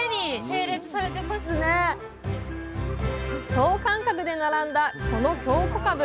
等間隔で並んだこの京こかぶ。